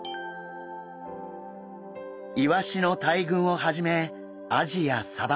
イワシの大群をはじめアジやサバ